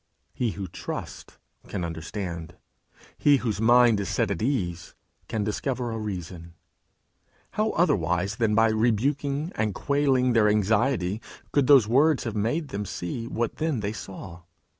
He who trusts can understand; he whose mind is set at ease can discover a reason. How otherwise than by rebuking and quelling their anxiety, could those words have made them see what then they saw?